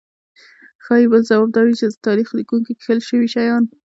ښايي بل ځواب دا وي چې د تاریخ لیکونکو کښل شوي شیان.